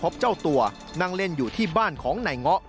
พบเจ้าตัวนั่งเล่นอยู่ที่บ้านของนายเงาะ